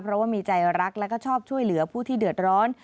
เพราะว่ามีใจรักแล้วก็ชอบช่วยเหลือผู้ที่เดือดร้อน